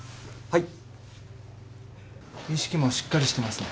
はい。